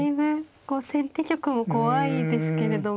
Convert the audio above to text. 先手玉も怖いですけれども。